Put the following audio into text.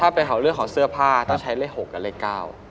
ถ้าเป็นของเรื่องของเสื้อผ้าต้องใช้เลข๖กับเลข๙